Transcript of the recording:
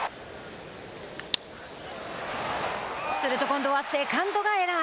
すると今度はセカンドがエラー。